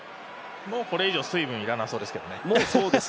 もうこれ以上、水分いらなさそうですけどね。